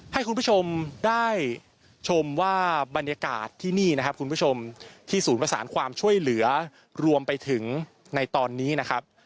ให้คุณผู้ชมได้ชมว่าบรรยากาศที่นี่นะครับคุณผู้ชมที่ศูนย์ประสานความช่วยเหลือรวมไปถึงในตอนนี้นะครับ